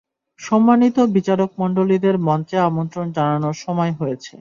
সম্মানিত বিচারকমন্ডলীদের মঞ্চে আমন্ত্রণ জানানোর সময় হয়েছে।